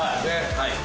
はい。